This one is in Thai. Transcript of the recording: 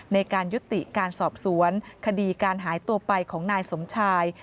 ในการยุติการสอบสวนคดีการหายตัวไปของนายสมชาย